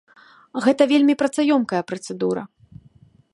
Гэта вельмі працаёмкая працэдура.